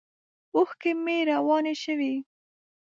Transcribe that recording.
اوښکې مې روانې شوې.